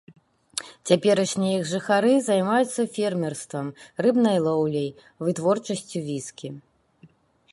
Цяперашнія іх жыхары займаюцца фермерствам, рыбнай лоўляй, вытворчасцю віскі.